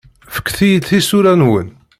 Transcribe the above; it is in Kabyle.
Fket-iyi-d tisura-nwen.